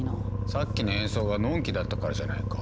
さっきの演奏がのんきだったからじゃないか？